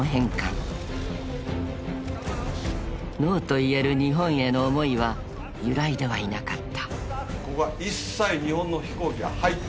［ＮＯと言える日本への思いは揺らいではいなかった］